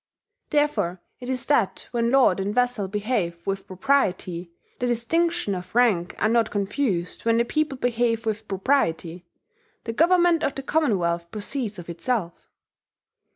Therefore it is that when lord and vassal behave with propriety, the distinctions of rank are not confused when the people behave with propriety, the government of the Commonwealth proceeds of itself."